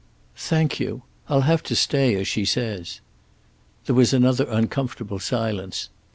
"Thank you. I'll have to stay, as she says." There was another uncomfortable silence.